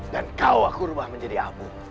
dan kau aku ubah menjadi abu